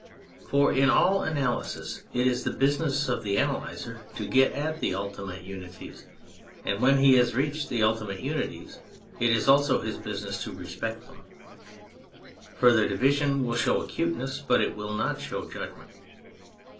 For in all analysis it is the business of the analyser to get at the ultimate unities ; when he has reached the ultimate unities it is also his business to respect them : further division will show acuteness, but it will not show judgment.